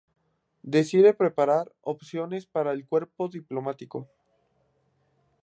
Decide preparar oposiciones para el cuerpo diplomático.